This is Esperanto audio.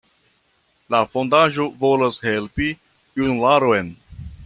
La fondaĵo volas helpi junularon.